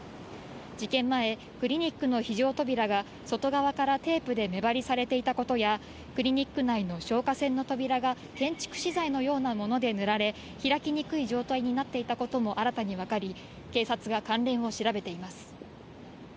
事件前、クリニックの非常扉が、外側からテープで目張りされていたことや、クリニック内の消火栓の扉が建築資材のようなもので塗られ、開きにくい状態になっていたことも新たに分かり、警察が関連を調べています。